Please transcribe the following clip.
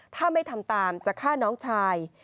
ถ้าไม่ทำตามจะฆ่าน้องชาย